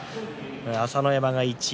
朝乃山が１位。